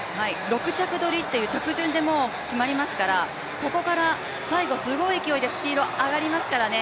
６着取りという着順で決まりますからここから最後すごい勢いでスピード上がりますからね。